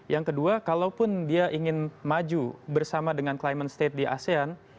yang kedua kalaupun dia ingin maju bersama dengan climate state di asean